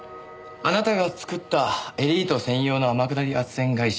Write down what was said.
あなたが作ったエリート専用の天下り斡旋会社。